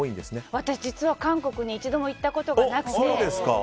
私、実は韓国に一度も行ったことがなくて。